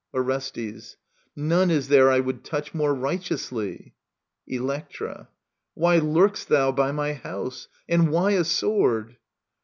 Orestes. None IS there I would touch more righteously. Electra. Why lurk'st thou by my house ? And why a sword